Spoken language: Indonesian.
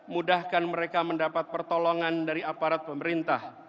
mudahkan mereka mendapat pertolongan dari aparat pemerintah